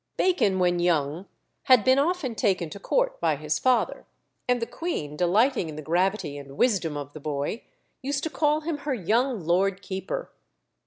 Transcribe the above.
Bacon, when young, had been often taken to court by his father; and the queen, delighting in the gravity and wisdom of the boy, used to call him her "young Lord Keeper."